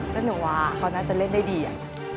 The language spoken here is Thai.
แล้วหนูว่าเขาน่าจะเล่นได้ดีอะ